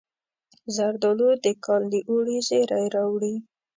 زردالو د کال د اوړي زیری راوړي.